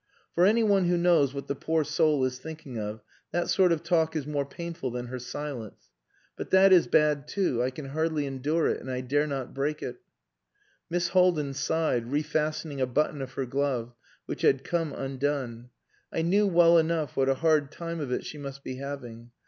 "For anyone who knows what the poor soul is thinking of, that sort of talk is more painful than her silence. But that is bad too; I can hardly endure it, and I dare not break it." Miss Haldin sighed, refastening a button of her glove which had come undone. I knew well enough what a hard time of it she must be having.